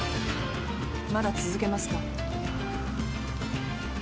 まだ続けますか？